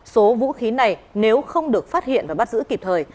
số vũ khí này nếu không được phát hiện và bắt giữ kịp thời